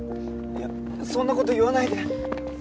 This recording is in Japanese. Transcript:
いやそんな事言わないで。